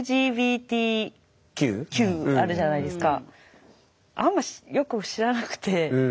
あるじゃないですか。